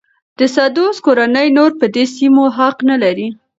د سدوزو کورنۍ نور په دې سیمو حق نه لري.